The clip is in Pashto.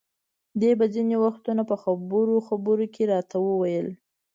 دې به ځینې وختونه په خبرو خبرو کې راته ویل.